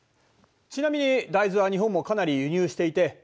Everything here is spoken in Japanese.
ちなみに大豆は日本もかなり輸入していて